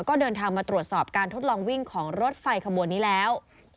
ก็เดินทางมาตรวจสอบการทดลองวิ่งของรถไฟขบวนนี้แล้ว